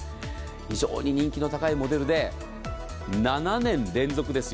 非常に人気の高いモデルで７年連続です。